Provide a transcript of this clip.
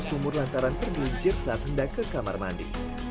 sumur lantaran tergelincir saat hendak ke kamar mandi